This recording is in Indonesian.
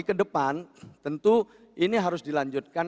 ke depan tentu ini harus dilanjutkan